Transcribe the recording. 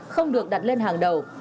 không được đặt lên hàng đầu